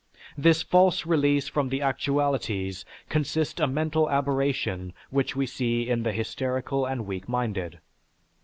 This false release from the actualities constitute a mental aberration which we see in the hysterical and weak minded.